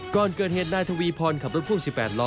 ก่อนเกิดเหตุนายทวีพรขับรถพ่วง๑๘ล้อ